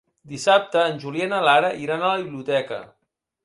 Dissabte en Julià i na Lara iran a la biblioteca.